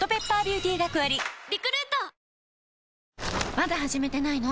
まだ始めてないの？